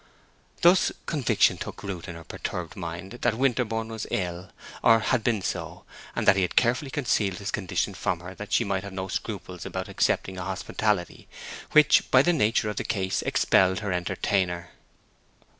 Thus conviction took root in her perturbed mind that Winterborne was ill, or had been so, and that he had carefully concealed his condition from her that she might have no scruples about accepting a hospitality which by the nature of the case expelled her entertainer.